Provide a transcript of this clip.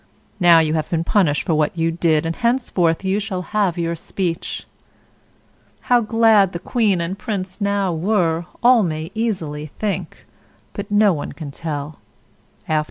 Now you have been punished for what you did, and henceforth you shall have your speech." How glad the Queen and Prince now were, all may easily think, but no one can tell.